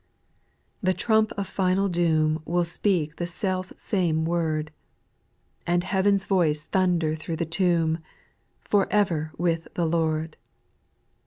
6. The trump of final doom Will speak the self same word, And heaven's voice thunder through tho tomb, " For ever with the Lord 1" 7.